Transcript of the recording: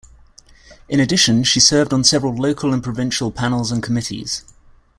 In addition, she served on several local and provincial panels and committees.